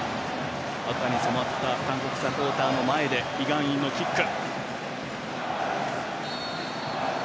赤に染まった韓国サポーターの前でイ・ガンインのキック。